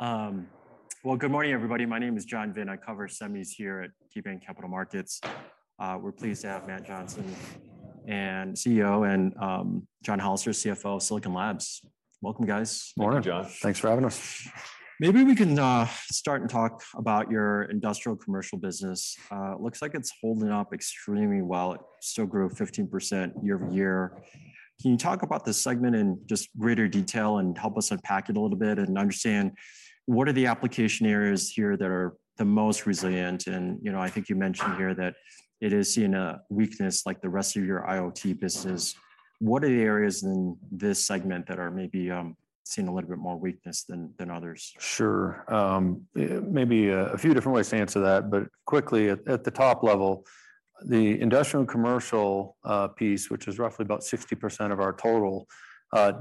Hey, well, good morning, everybody. My name is John Vinh. I cover semis here at KeyBanc Capital Markets. We're pleased to have Matt Johnson and CEO, and John Hollister, CFO of Silicon Labs. Welcome, guys. Morning, John. Thanks for having us. Maybe we can start and talk about your Industrial and Commercial business. It looks like it's holding up extremely well. It still grew 15% year-over-year. Can you talk about this segment in just greater detail and help us unpack it a little bit and understand what are the application areas here that are the most resilient? You know, I think you mentioned here that it is seeing a weakness like the rest of your IoT business. Mm-hmm. What are the areas in this segment that are maybe, seeing a little bit more weakness than, than others? Sure. maybe a few different ways to answer that, but quickly, at the top level, the Industrial and Commercial piece, which is roughly about 60% of our total,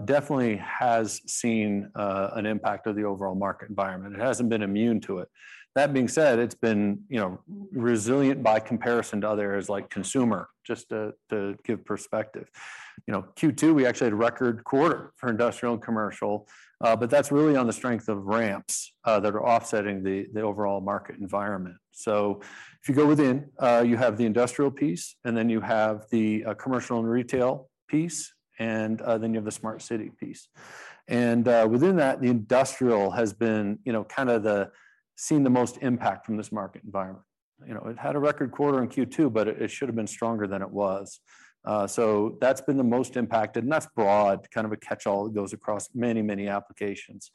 definitely has seen an impact of the overall market environment. It hasn't been immune to it. That being said, it's been, you know, resilient by comparison to others, like consumer, just to, to give perspective. You know, Q2, we actually had a record quarter for Industrial and Commercial, but that's really on the strength of ramps that are offsetting the overall market environment. If you go within, you have the industrial piece, and then you have the commercial and retail piece, and then you have the smart city piece. Within that, the industrial has been, you know, kind of the seen the most impact from this market environment. You know, it had a record quarter in Q2, but it should have been stronger than it was. That's been the most impacted, and that's broad, kind of a catch-all that goes across many, many applications.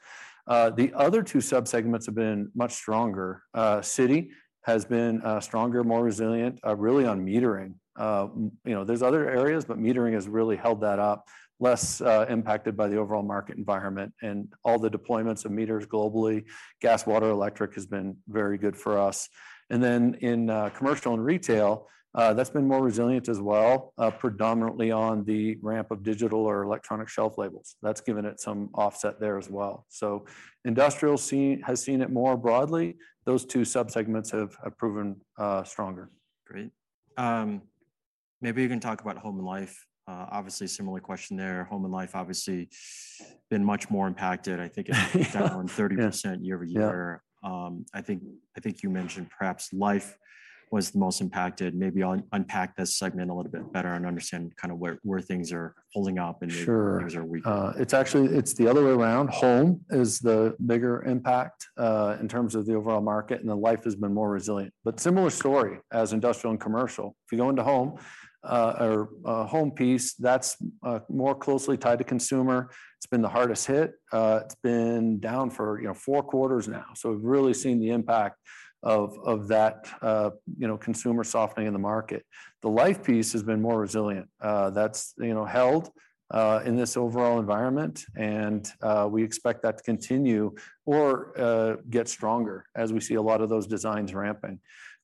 The other two subsegments have been much stronger. City has been stronger, more resilient, really on metering. You know, there's other areas, but metering has really held that up, less impacted by the overall market environment and all the deployments of meters globally. Gas, water, electric has been very good for us. Then in commercial and retail, that's been more resilient as well, predominantly on the ramp of digital or electronic shelf labels. That's given it some offset there as well. Industrial Side has seen it more broadly. Those two subsegments have, have proven stronger. Great. Maybe you can talk about Home and Life? Obviously, a similar question there. Home and Life obviously been much more impacted. I think it's down 30%. Yeah. year-over-year. Yeah. I think you mentioned perhaps Life was the most impacted. Maybe unpack that segment a little bit better and understand kind of where, where things are holding up and. Sure Maybe areas are weaker. It's actually, it's the other way around. Home is the bigger impact, in terms of the overall market, and the Life has been more resilient. Similar story as Industrial and Commercial. If you go into Home, or Home piece, that's more closely tied to consumer. It's been the hardest hit. It's been down for, you know, 4 quarters now. We've really seen the impact of that, you know, consumer softening in the market. The Life piece has been more resilient. That's, you know, held, in this overall environment, and we expect that to continue or get stronger as we see a lot of those designs ramping.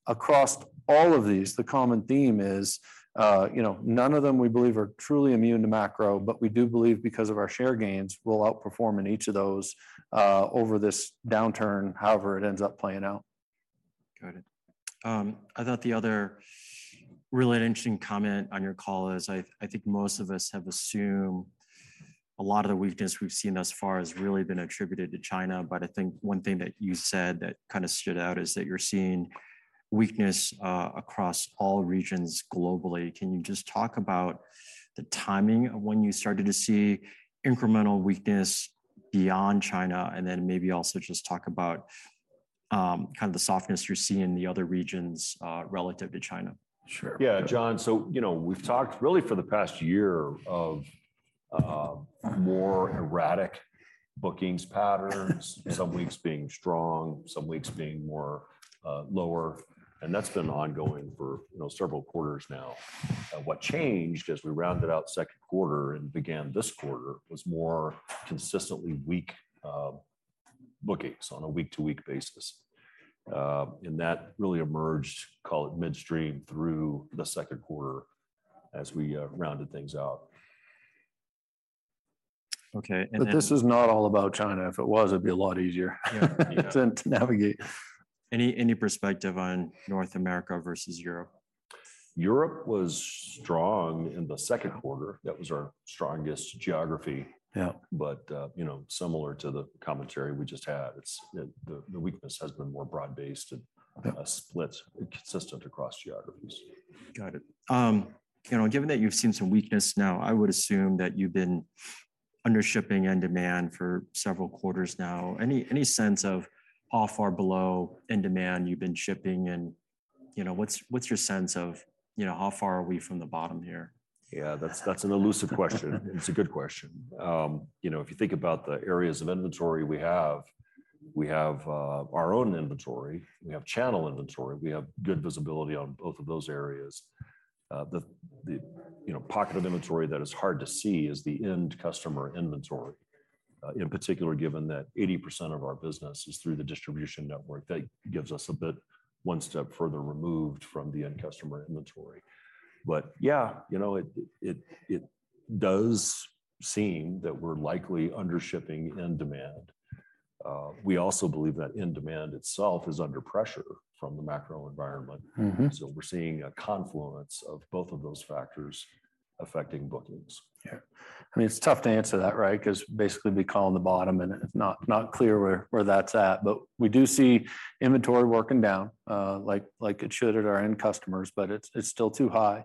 Across all of these, the common theme is, you know, none of them, we believe, are truly immune to macro, but we do believe because of our share gains, we'll outperform in each of those, over this downturn, however it ends up playing out. Got it. I thought the other really interesting comment on your call is I think most of us have assumed a lot of the weakness we've seen thus far has really been attributed to China. I think one thing that you said that kind of stood out is that you're seeing weakness across all regions globally. Can you just talk about the timing of when you started to see incremental weakness beyond China? Maybe also just talk about kind of the softness you're seeing in the other regions relative to China. Sure. John, you know, we've talked really for the past year of more erratic bookings patterns, some weeks being strong, some weeks being more lower, and that's been ongoing for, you know, several quarters now. What changed as we rounded out second quarter and began this quarter was more consistently weak bookings on a week-to-week basis. And that really emerged, call it midstream, through the second quarter as we rounded things out. Okay. This is not all about China. If it was, it'd be a lot easier. Yeah. to navigate. Any, any perspective on North America versus Europe? Europe was strong in the second quarter. Yeah. That was our strongest geography. Yeah. You know, similar to the commentary we just had, it's the weakness has been more broad-based and... Yeah a split consistent across geographies. Got it. You know, given that you've seen some weakness now, I would assume that you've been under shipping end demand for several quarters now. Any, any sense of how far below end demand you've been shipping and, you know, what's your sense of, you know, how far are we from the bottom here? Yeah, that's an elusive question. It's a good question. you know, if you think about the areas of inventory we have our own inventory, we have channel inventory. We have good visibility on both of those areas. the, the, you know, pocket of inventory that is hard to see is the end customer inventory. in particular, given that 80% of our business is through the distribution network, that gives us a bit one step further removed from the end customer inventory. Yeah, you know, it does seem that we're likely under shipping end demand. We also believe that end demand itself is under pressure from the macro environment. Mm-hmm. We're seeing a confluence of both of those factors affecting bookings. Yeah. I mean, it's tough to answer that, right? 'Cause basically we call on the bottom, and it's not clear where, where that's at. We do see inventory working down, like it should at our end customers, but it's, it's still too high.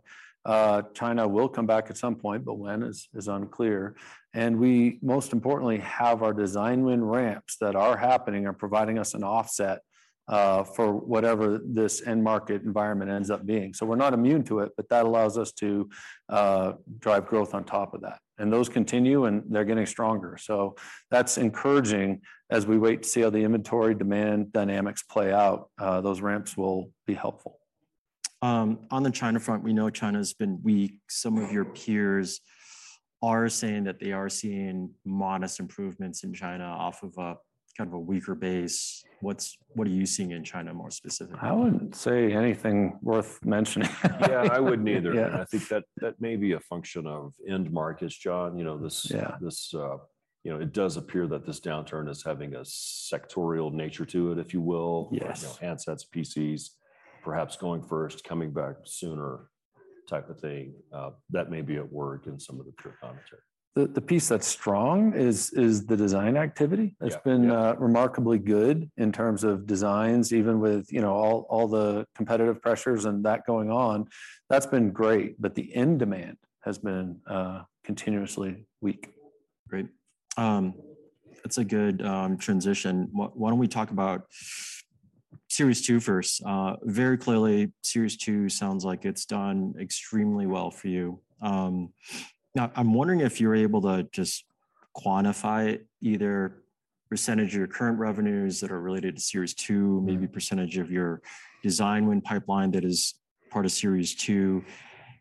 China will come back at some point, but when is, is unclear. We, most importantly, have our design win ramps that are happening and providing us an offset for whatever this end market environment ends up being. We're not immune to it, but that allows us to drive growth on top of that. Those continue, and they're getting stronger. That's encouraging as we wait to see how the inventory demand dynamics play out, those ramps will be helpful. On the China front, we know China's been weak. Some of your peers are saying that they are seeing modest improvements in China off of a, kind of a weaker base. What are you seeing in China, more specifically? I wouldn't say anything worth mentioning. Yeah, I wouldn't either. Yeah. I think that that may be a function of end markets, John. You know, this- Yeah. This, you know, it does appear that this downturn is having a sectorial nature to it, if you will. Yes. You know, handsets, PCs, perhaps going first, coming back sooner type of thing, that may be at work in some of the pure commentary. The piece that's strong is the design activity. Yeah, yeah. It's been remarkably good in terms of designs, even with, you know, all, all the competitive pressures and that going on. That's been great. The end demand has been continuously weak. Great. That's a good transition. Why don't we talk about Series 2 first? Very clearly, Series 2 sounds like it's done extremely well for you. Now, I'm wondering if you're able to just quantify either percentage of your current revenues that are related to Series 2... Mm-hmm. maybe percentage of your design win pipeline that is part of Series 2.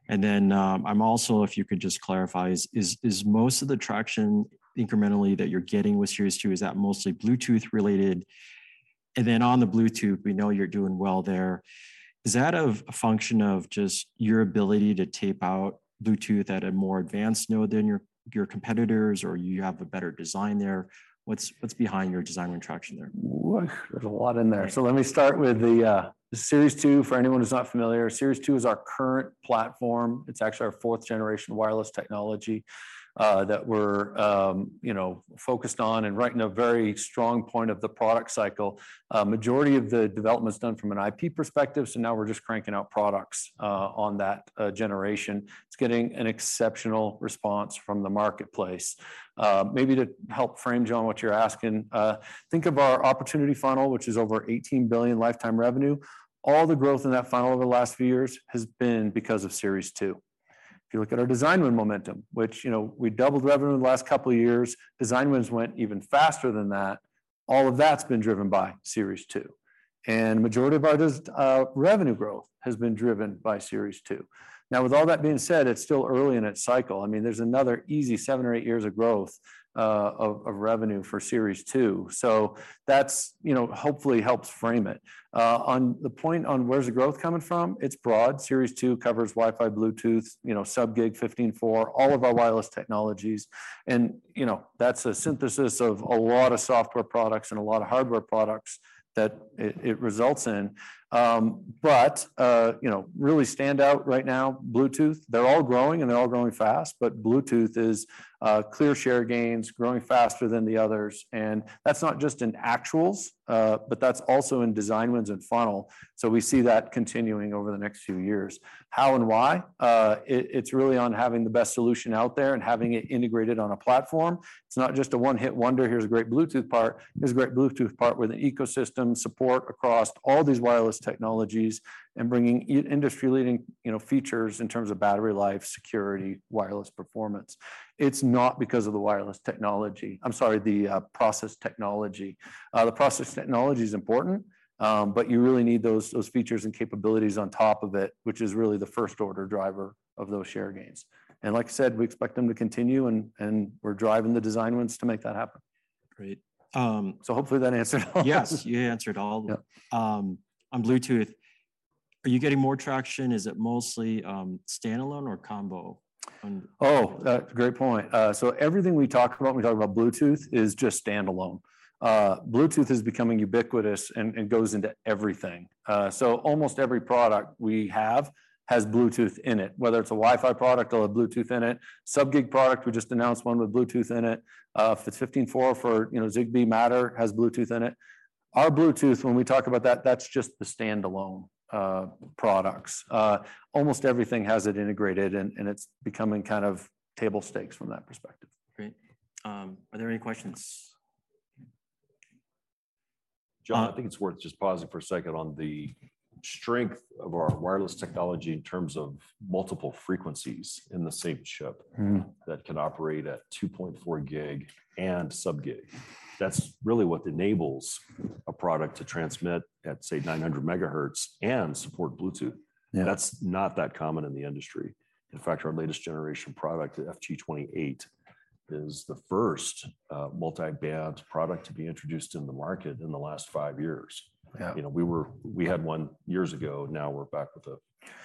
I'm also, if you could just clarify, is most of the traction incrementally that you're getting with Series 2, is that mostly Bluetooth related? On the Bluetooth, we know you're doing well there. Is that of a function of just your ability to tape out Bluetooth at a more advanced node than your competitors, or you have a better design there? What's behind your design win traction there? There's a lot in there. Let me start with the Series 2. For anyone who's not familiar, Series 2 is our current platform. It's actually our fourth generation wireless technology that we're, you know, focused on, and right in a very strong point of the product cycle. Majority of the development's done from an IP perspective, so now we're just cranking out products on that generation. It's getting an exceptional response from the marketplace. Maybe to help frame, John, what you're asking, think of our opportunity funnel, which is over $18 billion lifetime revenue. All the growth in that funnel over the last few years has been because of Series 2. If you look at our design win momentum, which, you know, we doubled revenue the last couple of years, design wins went even faster than that. All of that's been driven by Series 2. Majority of our revenue growth has been driven by Series 2. With all that being said, it's still early in its cycle. I mean, there's another easy 7 or 8 years of growth of revenue for Series 2. That's, you know, hopefully helps frame it. On the point on where's the growth coming from, it's broad. Series 2 covers Wi-Fi, Bluetooth, you know, sub-GHz, 15.4, all of our wireless technologies. You know, that's a synthesis of a lot of software products and a lot of hardware products that it results in. You know, really stand out right now, Bluetooth, they're all growing, and they're all growing fast. Bluetooth is clear share gains, growing faster than the others. That's not just in actuals, but that's also in design wins and funnel. We see that continuing over the next few years. How and why? It's really on having the best solution out there and having it integrated on a platform. It's not just a one-hit wonder. Here's a great Bluetooth part. Here's a great Bluetooth part with an ecosystem support across all these wireless technologies and bringing industry-leading, you know, features in terms of battery life, security, wireless performance. It's not because of the wireless technology, the process technology. The process technology is important, but you really need those, those features and capabilities on top of it, which is really the first-order driver of those share gains. Like I said, we expect them to continue, and, and we're driving the design wins to make that happen. Great. Hopefully that answered all. Yes, you answered all. Yeah. On Bluetooth, are you getting more traction? Is it mostly, standalone or combo on- Great point. Everything we talk about when we talk about Bluetooth is just standalone. Bluetooth is becoming ubiquitous and, and goes into everything. Almost every product we have has Bluetooth in it, whether it's a Wi-Fi product or a Bluetooth in it. Sub-Gig product, we just announced one with Bluetooth in it. If it's 15.4, for, you know, Zigbee Matter has Bluetooth in it. Our Bluetooth, when we talk about that, that's just the standalone products. Almost everything has it integrated, and, and it's becoming kind of table stakes from that perspective. Great. Are there any questions? John, I think it's worth just pausing for a second on the- ... strength of our wireless technology in terms of multiple frequencies in the same chip- Mm-hmm. -that can operate at 2.4 gig and sub-gig. That's really what enables a product to transmit at, say, 900 megahertz and support Bluetooth. Yeah. That's not that common in the industry. In fact, our latest generation product, the FG28, is the first multi-band product to be introduced in the market in the last 5 years. Yeah. You know, we had one years ago, now we're back with a,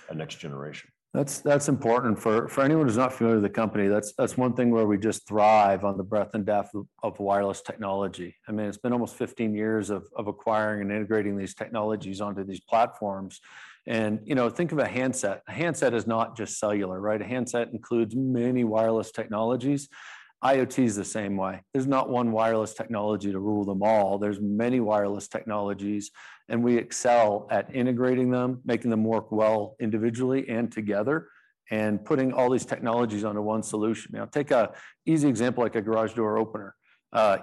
a next generation. That's important. For anyone who's not familiar with the company, that's, that's one thing where we just thrive on the breadth and depth of, of wireless technology. I mean, it's been almost 15 years of, of acquiring and integrating these technologies onto these platforms. You know, think of a handset. A handset is not just cellular, right? A handset includes many wireless technologies. IoT is the same way. There's not one wireless technology to rule them all, there's many wireless technologies, and we excel at integrating them, making them work well individually and together, and putting all these technologies onto one solution. Now, take an easy example, like a garage door opener.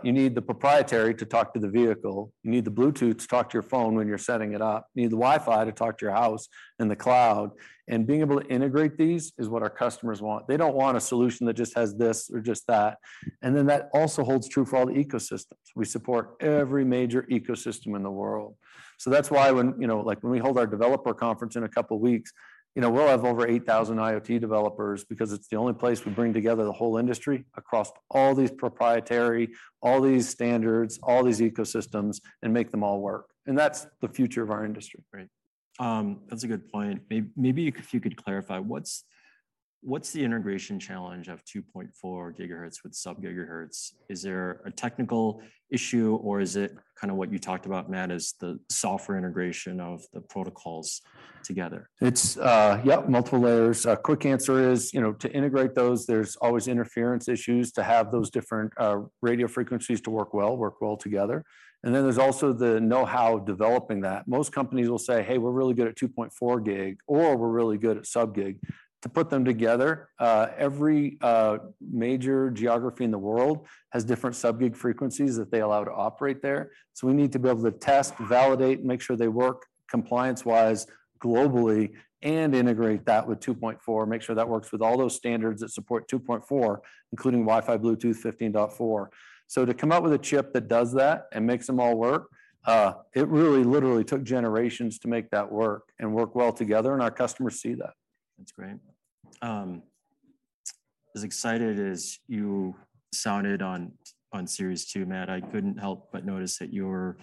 You need the proprietary to talk to the vehicle, you need the Bluetooth to talk to your phone when you're setting it up, you need the Wi-Fi to talk to your house and the cloud, being able to integrate these is what our customers want. They don't want a solution that just has this or just that. That also holds true for all the ecosystems. We support every major ecosystem in the world. That's why when, you know, like, when we hold our developer conference in a couple weeks, you know, we'll have over 8,000 IoT developers, because it's the only place we bring together the whole industry across all these proprietary, all these standards, all these ecosystems, and make them all work. That's the future of our industry. Right. That's a good point. Maybe if you could clarify, what's the integration challenge of 2.4 gigahertz with sub-gigahertz? Is there a technical issue, or is it kind of what you talked about, Matt, is the software integration of the protocols together? It's. Yep, multiple layers. Quick answer is, you know, to integrate those, there's always interference issues, to have those different radio frequencies to work well, work well together. Then, there's also the know-how of developing that. Most companies will say, "Hey, we're really good at 2.4 gig," or, "We're really good at sub-gig." To put them together, every major geography in the world has different sub-gig frequencies that they allow to operate there. We need to be able to test, validate, make sure they work compliance-wise globally, and integrate that with 2.4, make sure that works with all those standards that support 2.4, including Wi-Fi, Bluetooth 15.4. To come up with a chip that does that and makes them all work, it really literally took generations to make that work and work well together, and our customers see that. That's great. As excited as you sounded on Series 2, Matt, I couldn't help but notice that you were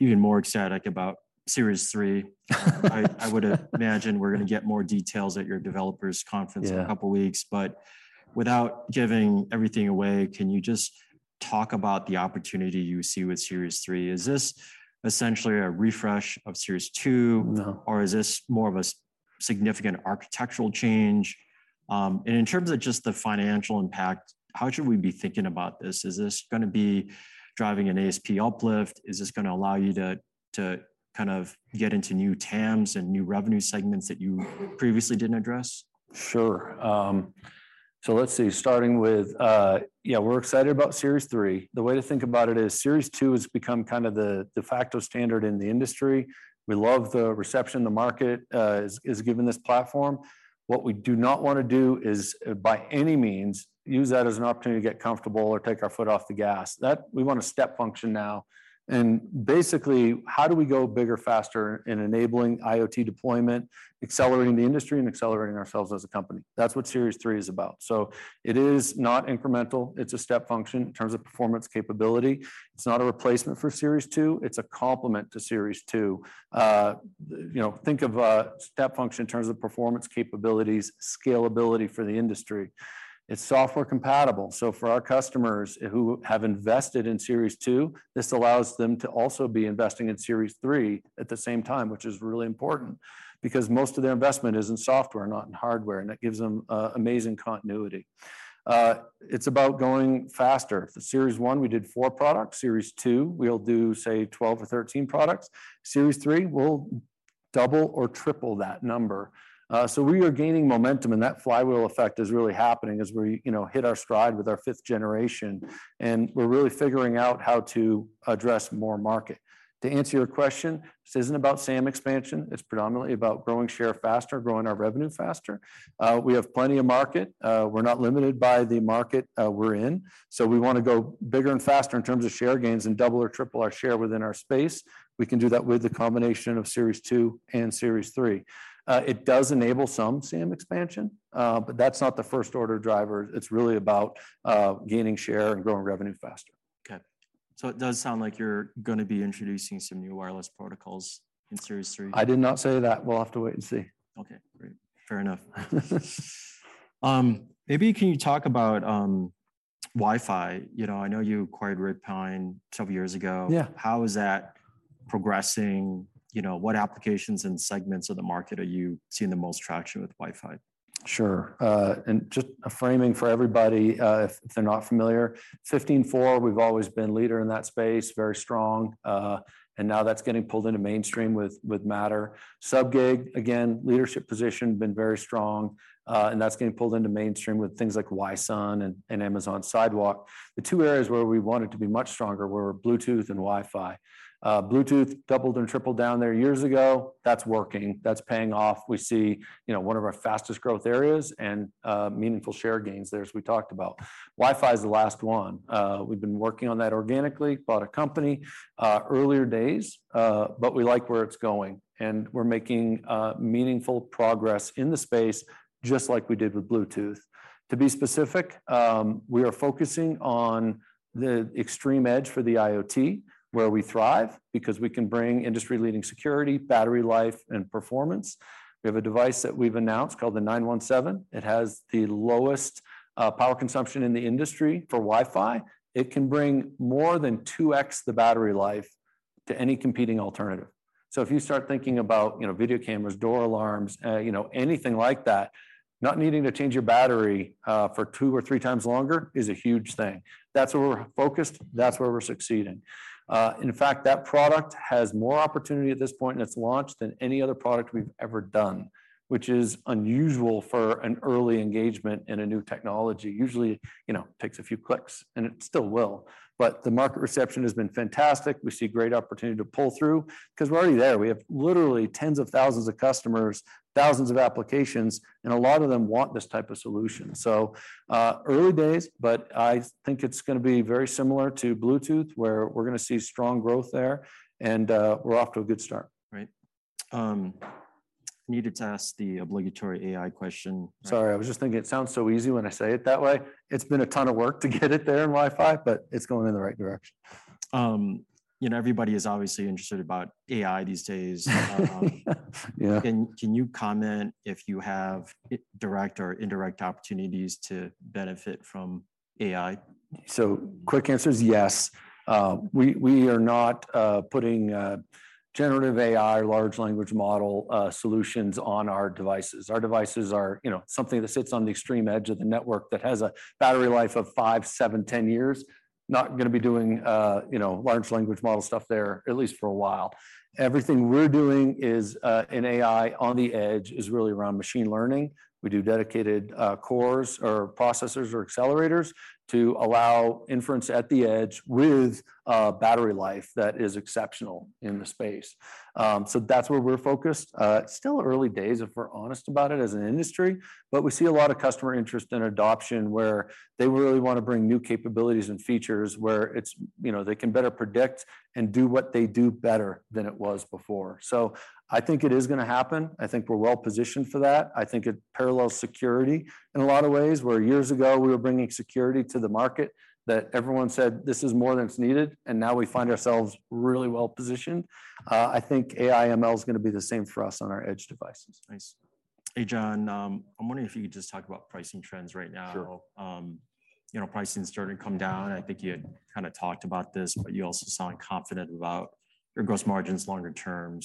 even more ecstatic about Series 3. I would imagine we're gonna get more details at your developers' conference- Yeah... in a couple weeks. Without giving everything away, can you just talk about the opportunity you see with Series 3? Is this essentially a refresh of Series 2? No. or is this more of a significant architectural change? In terms of just the financial impact, how should we be thinking about this? Is this gonna be driving an ASP uplift? Is this gonna allow you to kind of get into new TAMs and new revenue segments that you previously didn't address? Sure. So let's see, starting with, Yeah, we're excited about Series 3. The way to think about it is Series 2 has become kind of the de facto standard in the industry. We love the reception the market is, is giving this platform. What we do not wanna do is, by any means, use that as an opportunity to get comfortable or take our foot off the gas. We want a step function now. Basically, how do we go bigger, faster in enabling IoT deployment, accelerating the industry, and accelerating ourselves as a company? That's what Series 3 is about. It is not incremental, it's a step function in terms of performance capability. It's not a replacement for Series 2, it's a complement to Series 2. You know, think of a step function in terms of performance, capabilities, scalability for the industry. It's software compatible, so for our customers who have invested in Series 2, this allows them to also be investing in Series 3 at the same time, which is really important, because most of their investment is in software, not in hardware, and that gives them amazing continuity. It's about going faster. For Series 1, we did 4 products, Series 2, we'll do, say, 12 or 13 products, Series 3, we'll double or triple that number. We are gaining momentum, and that flywheel effect is really happening as we, you know, hit our stride with our fifth generation, and we're really figuring out how to address more market. To answer your question, this isn't about SAM expansion, it's predominantly about growing share faster, growing our revenue faster. We have plenty of market. We're not limited by the market, we're in, we wanna go bigger and faster in terms of share gains and double or triple our share within our space. We can do that with the combination of Series 2 and Series three. It does enable some SAM expansion, that's not the first order driver. It's really about gaining share and growing revenue faster. Okay. It does sound like you're gonna be introducing some new wireless protocols in Series 3? I did not say that. We'll have to wait and see. Okay, great. Fair enough. Maybe can you talk about Wi-Fi? You know, I know you acquired Redpine several years ago. Yeah. How is that progressing, you know, what applications and segments of the market are you seeing the most traction with Wi-Fi? Sure. Just a framing for everybody, if they're not familiar, fifteen four, we've always been leader in that space, very strong. Now that's getting pulled into mainstream with, with Matter. Sub-Gig, again, leadership position, been very strong, and that's getting pulled into mainstream with things like Wi-Sun and, and Amazon Sidewalk. The two areas where we wanted to be much stronger were Bluetooth and Wi-Fi. Bluetooth doubled and tripled down there years ago. That's working. That's paying off. We see, you know, one of our fastest growth areas and meaningful share gains there, as we talked about. Wi-Fi is the last one. We've been working on that organically, bought a company, earlier days, we like where it's going, and we're making meaningful progress in the space, just like we did with Bluetooth. To be specific, we are focusing on the extreme edge for the IoT, where we thrive because we can bring industry-leading security, battery life, and performance. We have a device that we've announced called the 917. It has the lowest power consumption in the industry for Wi-Fi. It can bring more than 2x the battery life to any competing alternative. If you start thinking about, you know, video cameras, door alarms, you know, anything like that, not needing to change your battery for 2 or 3 times longer is a huge thing. That's where we're focused, that's where we're succeeding. In fact, that product has more opportunity at this point, and it's launched than any other product we've ever done, which is unusual for an early engagement in a new technology. Usually, you know, takes a few clicks, and it still will. The market reception has been fantastic. We see great opportunity to pull through because we're already there. We have literally tens of thousands of customers, thousands of applications, and a lot of them want this type of solution. Early days, but I think it's gonna be very similar to Bluetooth, where we're gonna see strong growth there, and, we're off to a good start. Right. Needed to ask the obligatory AI question. Sorry, I was just thinking it sounds so easy when I say it that way. It's been a ton of work to get it there in Wi-Fi, but it's going in the right direction. you know, everybody is obviously interested about AI these days. Yeah. Can, can you comment if you have direct or indirect opportunities to benefit from AI? Quick answer is yes. We, we are not putting generative AI, large language model solutions on our devices. Our devices are, you know, something that sits on the extreme edge of the network that has a battery life of 5, 7, 10 years. Not gonna be doing, you know, large language model stuff there, at least for a while. Everything we're doing is in AI on the edge is really around machine learning. We do dedicated cores or processors or accelerators to allow inference at the edge with battery life that is exceptional in the space. That's where we're focused. It's still early days, if we're honest about it as an industry, but we see a lot of customer interest and adoption where they really want to bring new capabilities and features where it's, you know, they can better predict and do what they do better than it was before. I think it is gonna happen. I think we're well positioned for that. I think it parallels security in a lot of ways, where years ago we were bringing security to the market, that everyone said, "This is more than it's needed," and now we find ourselves really well positioned. I think AI ML is gonna be the same for us on our edge devices. Nice. Hey, John, I'm wondering if you could just talk about pricing trends right now? Sure. You know, pricing started to come down. I think you had kind of talked about this, but you also sound confident about your gross margins longer term.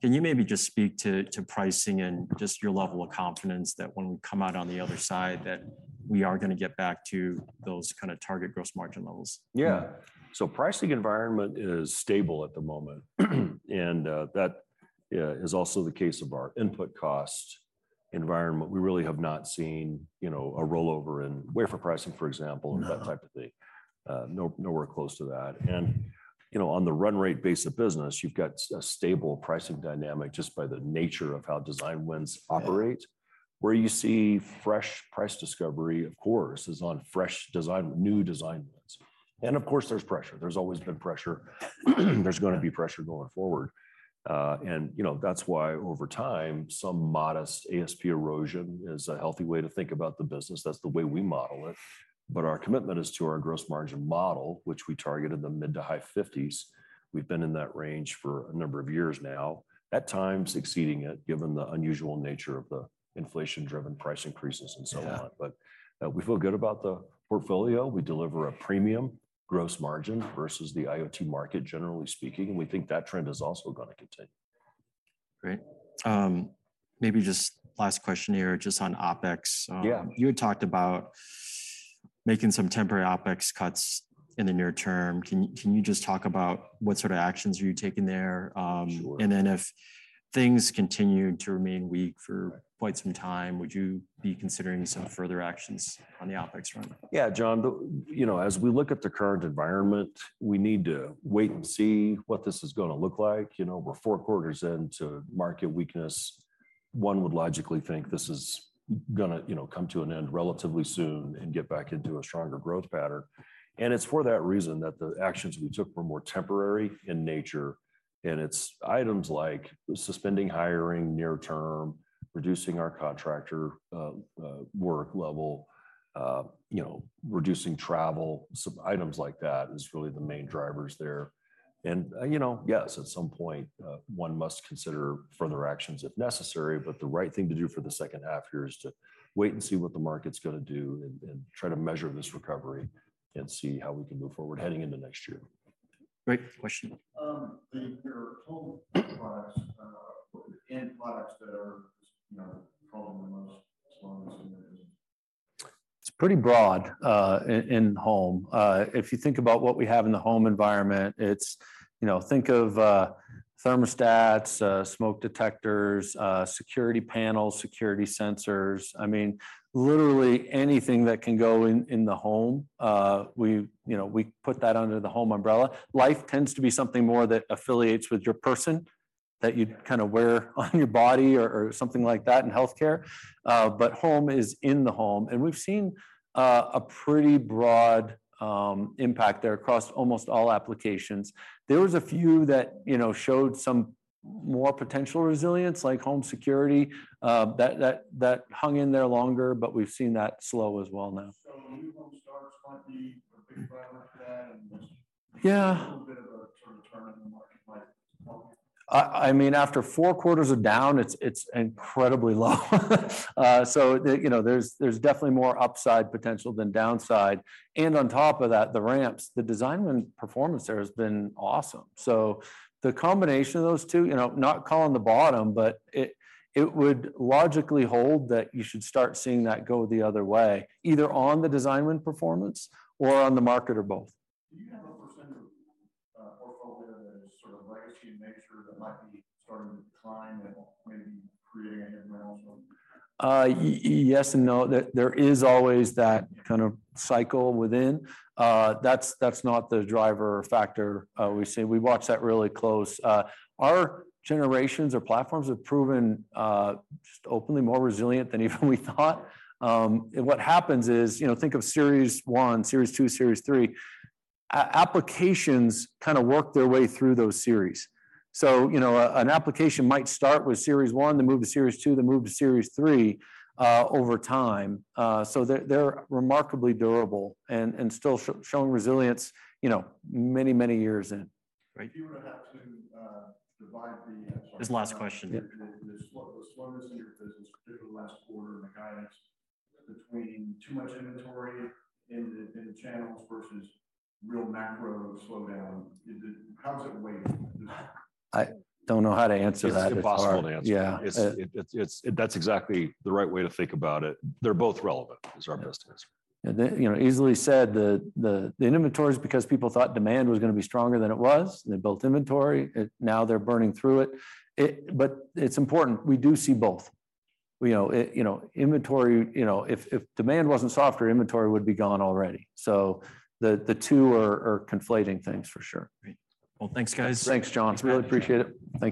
Can you maybe just speak to, to pricing and just your level of confidence that when we come out on the other side, that we are going to get back to those kind of target gross margin levels? Yeah. Pricing environment is stable at the moment, and that is also the case of our input cost environment. We really have not seen, you know, a rollover in wafer pricing, for example, or that type of thing. No. No, nowhere close to that. You know, on the run rate base of business, you've got a stable pricing dynamic just by the nature of how design wins operate. Where you see fresh price discovery, of course, is on fresh design, new design wins. Of course, there's pressure. There's always been pressure. There's gonna be pressure going forward. You know, that's why over time, some modest ASP erosion is a healthy way to think about the business. That's the way we model it. But our commitment is to our gross margin model, which we target in the mid to high 50s. We've been in that range for a number of years now, at times exceeding it, given the unusual nature of the inflation-driven price increases and so on. Yeah. We feel good about the portfolio. We deliver a premium gross margin versus the IoT market, generally speaking, and we think that trend is also gonna continue. Great. maybe just last question here, just on OpEx. Yeah. You had talked about making some temporary OpEx cuts in the near term. Can, can you just talk about what sort of actions are you taking there? Sure. If things continue to remain weak for quite some time, would you be considering some further actions on the OpEx front? Yeah, John, you know, as we look at the current environment, we need to wait and see what this is gonna look like. You know, we're four quarters into market weakness. One would logically think this is gonna, you know, come to an end relatively soon and get back into a stronger growth pattern. It's for that reason that the actions we took were more temporary in nature, and it's items like suspending hiring near term, reducing our contractor work level, you know, reducing travel. Some items like that is really the main drivers there. You know, yes, at some point, one must consider further actions if necessary, but the right thing to do for the second half here is to wait and see what the market's gonna do and, and try to measure this recovery and see how we can move forward heading into next year. Great question. The, your home products, and products that are, you know, probably the most strongest in this? It's pretty broad in Home. If you think about what we have in the Home environment, it's, you know, think of thermostats, smoke detectors, security panels, security sensors. I mean, literally anything that can go in, in the Home, we, you know, we put that under the Home umbrella. Life tends to be something more that affiliates with your person, that you'd kind of wear on your body or, or something like that in healthcare. Home is in the Home, and we've seen a pretty broad impact there across almost all applications. There was a few that, you know, showed some more potential resilience, like home security, that, that, that hung in there longer, but we've seen that slow as well now. New home starts might be a big driver for that. Yeah. A little bit of a sort of turn in the market might help. I mean, after four quarters are down, it's incredibly low. The, you know, there's definitely more upside potential than downside, and on top of that, the ramps, the design win performance there has been awesome. The combination of those two, you know, not calling the bottom, but it would logically hold that you should start seeing that go the other way, either on the design win performance or on the market or both. Do you have a percentage of, portfolio that is sort of legacy in nature that might be starting to decline and maybe creating a headwind as well? Yes and no. There, there is always that kind of cycle within. That's, that's not the driver factor, we've seen. We watch that really close. Our generations or platforms have proven just openly more resilient than even we thought. And what happens is, you know, think of Series 1, Series 2, Series 3, applications kind of work their way through those series. You know, an application might start with Series 1, then move to Series 2, then move to Series 3, over time. They're, they're remarkably durable and, and still showing resilience, you know, many, many years in. Great. If you were to have to divide This is the last question. Yeah. The slowness in your business, particularly last quarter and the guidance between too much inventory in the channels versus real macro slowdown, how does it weigh? I don't know how to answer that. It's impossible to answer. Yeah. That's exactly the right way to think about it. They're both relevant, is our best answer. Then, you know, easily said, the inventory is because people thought demand was gonna be stronger than it was, and they built inventory. Now they're burning through it. It's important. We do see both. You know, if demand wasn't softer, inventory would be gone already. The, the two are conflating things for sure. Great. Well, thanks, guys. Thanks, John. We really appreciate it. Thank you.